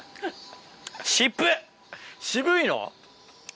渋いの？